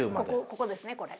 ここですねこれ。